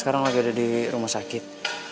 sekarang lagi ada di rumah sakit